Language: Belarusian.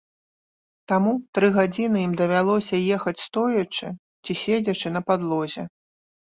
Таму тры гадзіны ім давялося ехаць стоячы ці седзячы на падлозе.